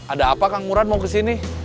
ada apa kang murad mau kesini